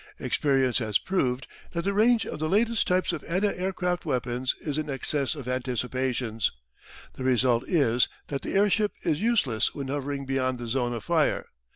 Experience has proved that the range of the latest types of anti aircraft weapons is in excess of anticipations. The result is that the airship is useless when hovering beyond the zone of fire.